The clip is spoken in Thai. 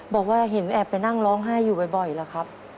บอกว่าเห็นแอบไปนั่งร้องไห้อยู่บ่อยแล้วครับ